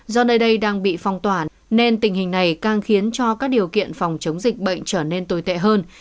do nơi đây đang bị phong tỏa nên tình hình này càng khiến cho các điều kiện phòng chống dịch bệnh trở nên tồi tệ hơn